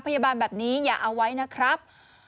พยาบาลแบบนี้อย่าเอาไว้นะครับ